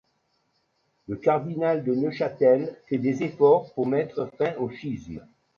Le cardinal de Neufchâtel fait des efforts pour mettre fin au schisme.